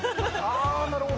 なるほど。